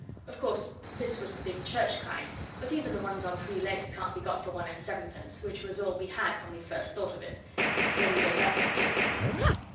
Of course this was the big church kind, but even the ones on three legs can't be got for one and sevenpence, which was all we had when we first thought of it. So we gave that up too.